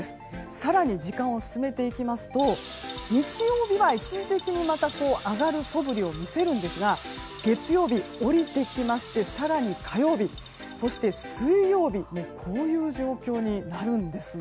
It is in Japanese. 更に時間を進めていきますと日曜日は一時的に上がるそぶりを見せるんですが月曜日、降りてきまして更に火曜日そして、水曜日こういう状況になるんですね。